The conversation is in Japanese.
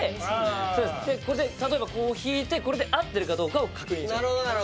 そうですで例えばこう引いてこれで合ってるかどうかを確認します